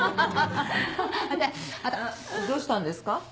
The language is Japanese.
どうしたんですか？